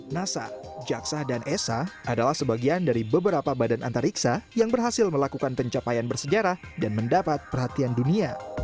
nasa jaksa dan esa adalah sebagian dari beberapa badan antariksa yang berhasil melakukan pencapaian bersejarah dan mendapat perhatian dunia